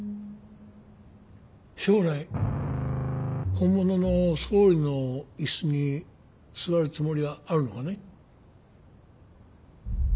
将来本物の総理のいすに座るつもりはあるのかね？